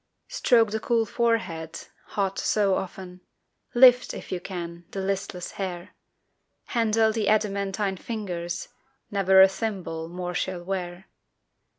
Stroke the cool forehead, hot so often, Lift, if you can, the listless hair; Handle the adamantine fingers Never a thimble more shall wear.